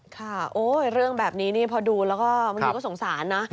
ค่ะโอ๊ยเรื่องแบบนี้พอดูแล้วก็สงสารนะ